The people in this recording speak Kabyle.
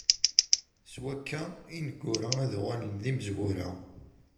S wakka, ineggura ad uɣalen d imezwura.